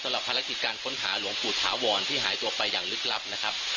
สำหรับภารกิจการค้นหาหลวงปู่ถาวรที่หายตัวไปอย่างลึกลับนะครับ